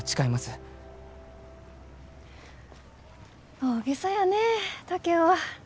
大げさやね竹雄は。